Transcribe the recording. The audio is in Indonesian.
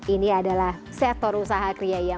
ini adalah sektor usaha kria ya